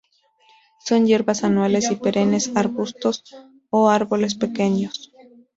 Son hierbas anuales o perennes, arbustos o árboles pequeños.